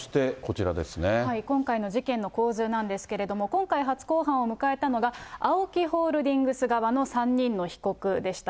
今回の事件の構図なんですけれども、今回初公判を迎えたのが、ＡＯＫＩホールディングス側の３人の被告でした。